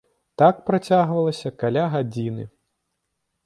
Так працягвалася каля гадзіны.